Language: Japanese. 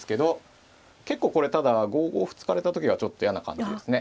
結構これただ５五歩突かれた時がちょっと嫌な感じですね。